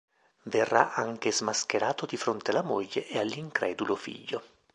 Verrà anche smascherato di fronte alla moglie e all'incredulo figlio.